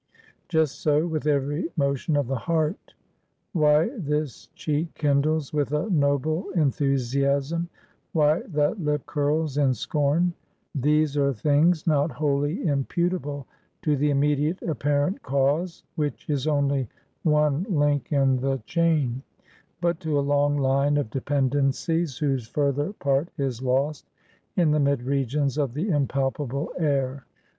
Just so with every motion of the heart. Why this cheek kindles with a noble enthusiasm; why that lip curls in scorn; these are things not wholly imputable to the immediate apparent cause, which is only one link in the chain; but to a long line of dependencies whose further part is lost in the mid regions of the impalpable air.